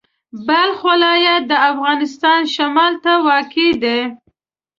بلخ ولایت د افغانستان شمال ته واقع دی.